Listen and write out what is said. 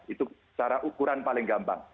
itu cara ukuran paling gampang